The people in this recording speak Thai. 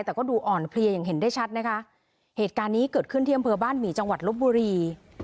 แต่ก็ดูอ่อนเพลียอย่างเห็นได้ชัดนะคะเหตุการณ์นี้เกิดขึ้นที่อำเภอบ้านหมี่จังหวัดลบบุรี